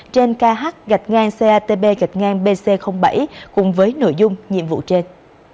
trên kh catb bc bảy cùng với nội dung nhiệm vụ trên